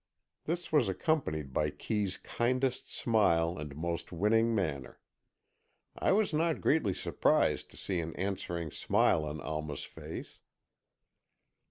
As this was accompanied by Kee's kindest smile and most winning manner, I was not greatly surprised to see an answering smile on Alma's face.